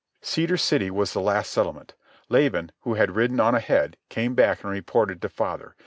Cedar City was the last settlement. Laban, who had ridden on ahead, came back and reported to father.